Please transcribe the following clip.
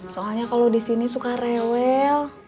soalnya kalau disini suka rewel